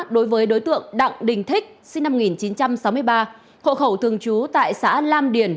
đối với đối tượng đặng đình thích sinh năm một nghìn chín trăm sáu mươi ba hộ khẩu thường trú tại xã lam điền